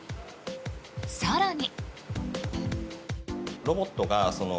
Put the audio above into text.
更に。